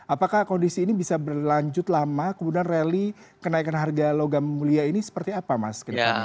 apakah kondisi ini bisa berlanjut lama kemudian rally kenaikan harga logam mulia ini seperti apa mas ke depan